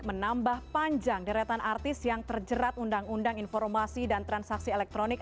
menambah panjang deretan artis yang terjerat undang undang informasi dan transaksi elektronik